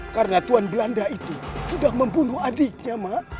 karena tuan belanda itu sudah membunuh adiknya mak